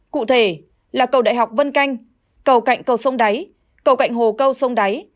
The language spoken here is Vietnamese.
cụ thể là cầu đại học vân canh cầu cạnh cầu sông đáy cầu cạnh hồ câu sông đáy